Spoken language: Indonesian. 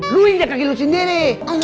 lu inget kaki lu sendiri